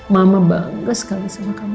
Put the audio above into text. mama bangga sekali sama kami